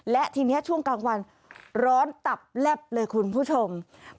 และทีนี้ช่วงกลางวันร้อนตับแลบเลยคุณผู้ชม